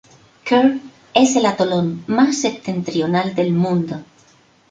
Kure es el atolón más septentrional del mundo.